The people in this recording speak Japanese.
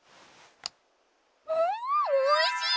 うんおいしい！